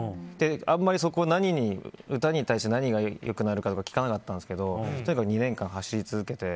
あんまり、歌に対して何が良くなるかとかは聞かなかったんですけどとにかく２年間走り続けて。